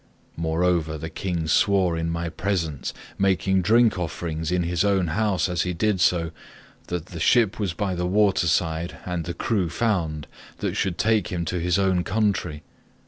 Moreover the king swore in my presence, making drink offerings in his own house as he did so, that the ship was by the water side, and the crew found, that should take him to his own country.